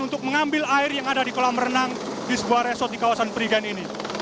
untuk mengambil air yang ada di kolam renang di sebuah resort di kawasan perigan ini